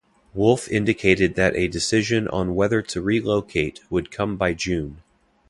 Wolff indicated that a decision on whether to relocate would come by June.